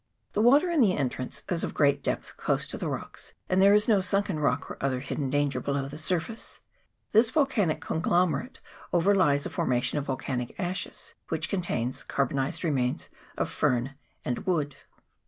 The water in the entrance is of great depth close to the rocks, and there is no sunken rock or other hidden danger below the surface. This volcanic conglomerate overlies a formation of volcanic ashes, which con tains carbonized remains of fern and wood.